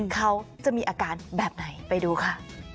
เขาจะมีอาการแบบไหนไปดูค่ะ